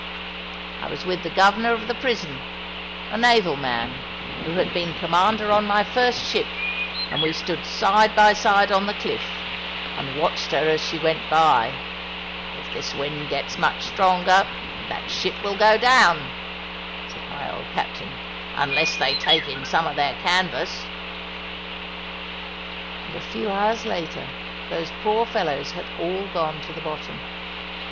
I was with the Governor of the Prison, a naval man, who had been commander on my first ship, and we stood side by side on the cliff, and watched her as she went by. ' If this wind gets much stronger, that ship will " The Woods are round tis^ 247 go dowu,' said my old captain, 'unless they take in some of their canvas.' And a few hours later these poor fellows had all gone to the bottom.